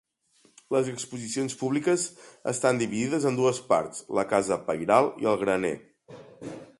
Les exposicions públiques estan dividides en dues parts: la casa pairal i el graner.